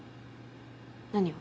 何を？